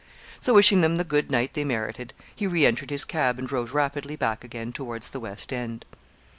So, wishing them the good night they merited, he re entered his cab, and drove rapidly back again towards the West end.